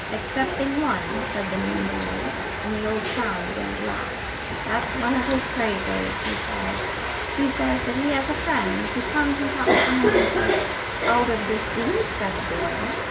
"Excepting one," said the moon boy, and the old clown began to laugh. "That's one of his crazes," he said. "He says that he has a friend who comes and talks to him once a week." "Out of the sea," said the boy.